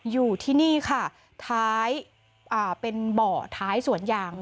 อยู่ที่นี่ค่ะท้ายเป็นบ่อท้ายสวนยาง